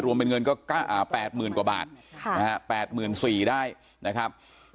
รวมเป็นเงินก็๘๐๐๐กว่าบาท๘๔๐๐ได้นะครับ